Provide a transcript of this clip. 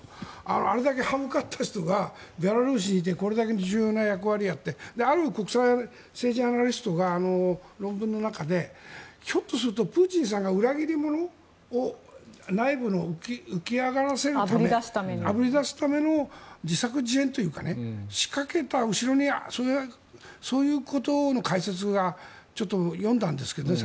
あれだけ刃向かった人がベラルーシに行ってこれだけ重要な役割をやってある国際政治ジャーナリストが論文の中でひょっとするとプーチンさんが裏切り者を内部から浮き上がらせるためあぶり出すための自作自演というか仕掛けた後ろにそういうことの解説がちょっと読んだんですけどね